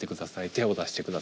「手を出して下さい」